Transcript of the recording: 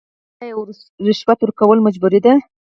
آیا رشوت ورکول مجبوري ده؟